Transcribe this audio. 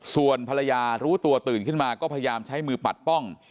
ส่วนภรรยารู้ตัวตื่นขึ้นมาก็พยายามใช้มือปัดป้อง